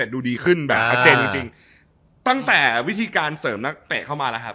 ดูดีขึ้นแบบชัดเจนจริงจริงตั้งแต่วิธีการเสริมนักเตะเข้ามาแล้วครับ